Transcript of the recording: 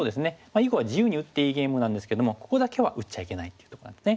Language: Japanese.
囲碁は自由に打っていいゲームなんですけどもここだけは打っちゃいけないっていうとこなんですね。